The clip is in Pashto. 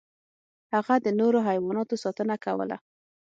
هغه د نورو حیواناتو ساتنه کوله.